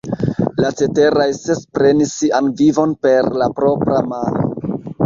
La ceteraj ses prenis sian vivon per la propra mano.